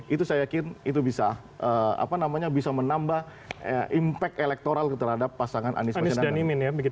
itu saya yakin bisa menambah impact electoral terhadap pasangan anies dan imin